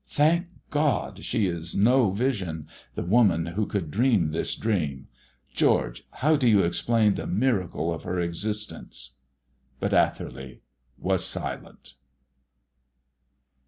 Thank God! she is no vision, the woman who could dream this dream! George, how do you explain the miracle of her existence?" But Atherley was silent.